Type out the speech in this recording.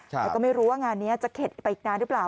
แต่ก็ไม่รู้ว่างานนี้จะเข็ดไปอีกนานหรือเปล่า